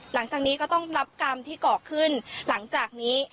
หลังจากนี้ก็ต้องรับกรรมที่เกาะขึ้นหลังจากนี้